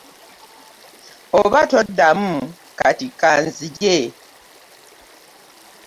Oba toddamu kati ka nzije.